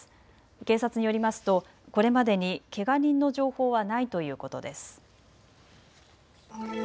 警察によりますとこれまでにけが人の情報はないということです。